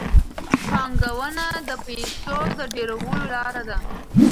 پانګونه د پیسو د ډېرولو لار ده.